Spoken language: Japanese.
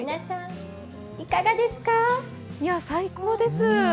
最高です。